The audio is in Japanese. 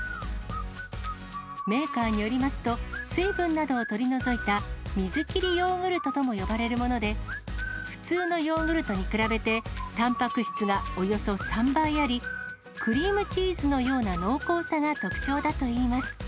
メーカーによりますと、水分などを取り除いた水切りヨーグルトとも呼ばれるもので、普通のヨーグルトに比べて、たんぱく質がおよそ３倍あり、クリームチーズのような濃厚さが特徴だといいます。